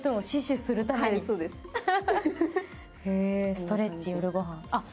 ストレッチ、夜ご飯。